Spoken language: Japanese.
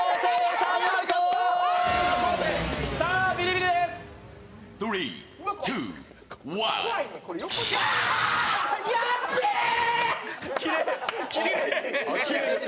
さあ、ビリビリです。